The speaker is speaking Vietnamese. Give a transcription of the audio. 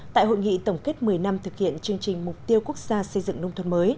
tại hội nghị tổng kết một mươi năm thực hiện chương trình mục tiêu quốc gia xây dựng nông thôn mới